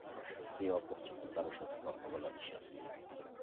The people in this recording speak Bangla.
তুমি জানো, আমার সত্যিই অপরিচিত কারো সাথে কথা বলা নিষেধ।